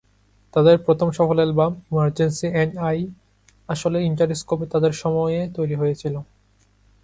তাদের প্রথম সফল অ্যালবাম, "এমারজেন্সি অ্যান্ড আই", আসলে ইন্টারস্কোপে তাদের সময়ে তৈরি হয়েছিল।